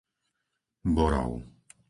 Borov